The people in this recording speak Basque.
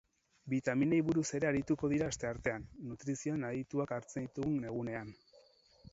Bitaminei buruz ere arituko dira asteartean, nutrizioan adituak hartzen ditugun egunean.